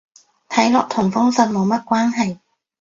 睇落同封信冇乜關係